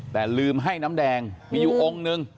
แต่ลืมให้น้ำแดงมีอยู่องค์นึง